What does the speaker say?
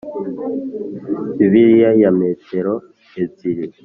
Bibiliya ya metero ebyiri